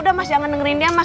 udah mas jangan dengerin ya mas